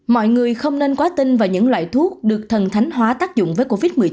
mọi người không nên quá tin vào những loại thuốc được thần thánh hóa tác dụng với covid một mươi chín